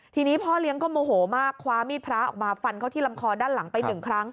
ทีนี้พ่อเลี้ยงก็โมโหมากคว้ามีดพระออกมาฟันเข้าที่ลำคอด้านหลังไปหนึ่งครั้ง